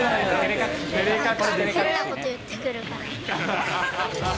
変なこと言ってくるから。